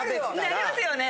・なりますよね？